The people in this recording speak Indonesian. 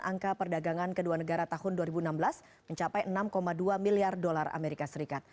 angka perdagangan kedua negara tahun dua ribu enam belas mencapai enam dua miliar dolar amerika serikat